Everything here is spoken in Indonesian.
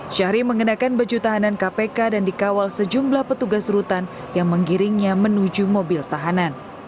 syahri mengenakan baju tahanan kpk dan dikawal sejumlah petugas rutan yang menggiringnya menuju mobil tahanan